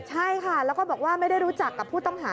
ใช่ค่ะแล้วก็บอกว่าไม่ได้รู้จักกับผู้ต้องหา